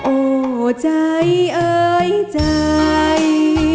โอ้ใจเอ่ยใจ